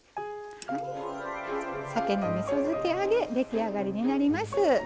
さけのみそ漬け揚げ出来上がりになります。